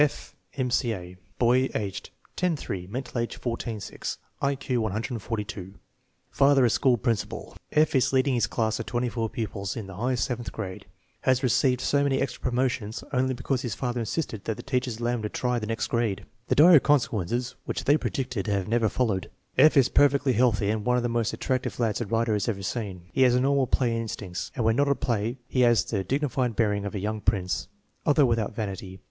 F. McA. Boy, age 10 3; mental age 14 6; I Q 11$. Father a school principal. F. is leading his class of 24 pupils in the high seventh grade. Has received so many extra promotions only be cause his father insisted that the teachers allow him to try the next grade. The dire consequences which they predicted have never followed. F. is perfectly healthy and one of the most attrac tive lads the writer has ever seen. He has the normal play in stincts, but when not at play he has the dignified bearing of a young prince, although without vanity.